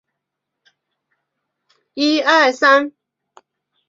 在得知光秀在山崎之战中被羽柴秀吉击败并战死后自杀。